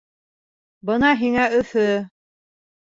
Бына һиңә Өфө!